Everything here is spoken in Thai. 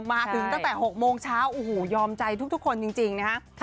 มาถึงตั้งแต่๖โมงเช้าโอ้โหยอมใจทุกคนจริงนะฮะ